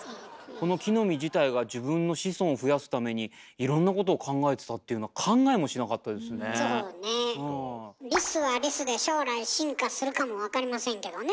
木の実自体が自分の子孫を増やすためにいろんなことを考えてたっていうのはリスはリスで将来進化するかもわかりませんけどね。